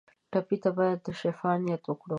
ټپي ته باید د شفا نیت وکړو.